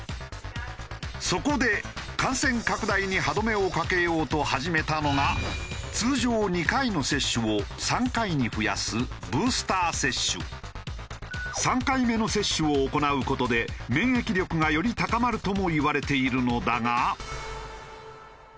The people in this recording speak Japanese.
そこで感染拡大に歯止めをかけようと始めたのが３回目の接種を行う事で免疫力がより高まるともいわれているのだが。